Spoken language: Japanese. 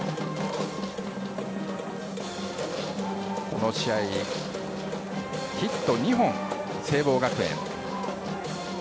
この試合ヒット２本、聖望学園。